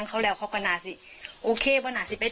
ครับ